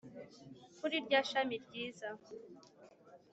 kuri rya shami ryiza’